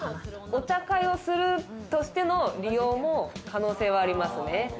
お茶会をするとしての利用も可能性はありますよね。